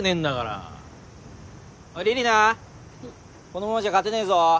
このままじゃ勝てねえぞ。